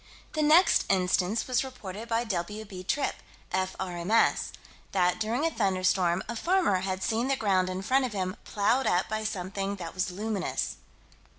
The next instance was reported by W.B. Tripp, F.R.M.S. that, during a thunderstorm, a farmer had seen the ground in front of him plowed up by something that was luminous.